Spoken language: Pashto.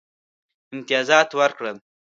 امتیازات ورکړل.